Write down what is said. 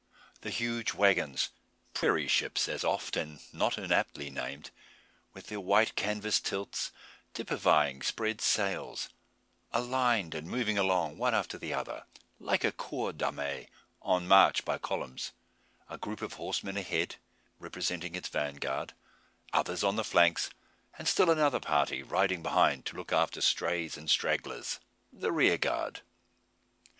The huge waggons "prairie ships," as oft, and not inaptly, named with their white canvass tilts, typifying spread sails, aligned and moving along one after the other, like a corps d'armee on march by columns; a group of horsemen ahead, representing its vanguard; others on the flanks, and still another party riding behind, to look after strays and stragglers, the rear guard.